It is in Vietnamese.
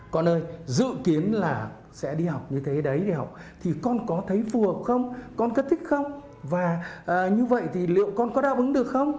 còn ơi dự kiến là sẽ đi học như thế đấy để học thì con có thấy phù hợp không con thích không và như vậy thì liệu con có đáp ứng được không